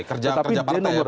kerja partai ya berarti ya